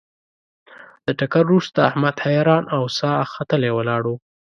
له ټکر ورسته احمد حیران او ساه ختلی ولاړ و.